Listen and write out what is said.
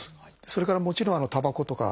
それからもちろんたばことか